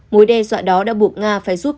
mối đe dọa đó đã buộc nga phải giúp